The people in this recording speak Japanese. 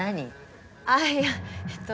あぁいやえっと